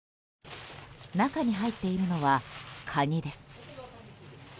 中に入っているのは、カニです。